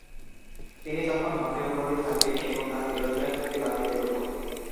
তিনি তখন হকের ওপরই থাকবেন এবং তার বিরোধীরা থাকবে বাতিলের ওপর।